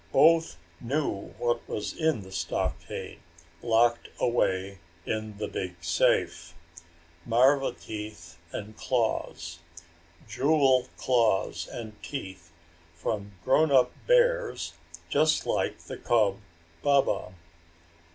Both knew what was in the stockade, locked away in the big safe. Marva teeth and claws. Jewel claws and teeth from grown up bears just like the cub Baba!